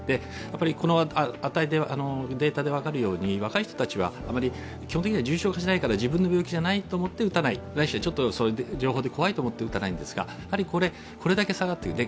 このデータで分かるように、若い人たちは基本的には重症化しないから自分の病気じゃないと思って打たないないしは、そういう情報で怖いと思って打たないんですが、これだけ下がっている。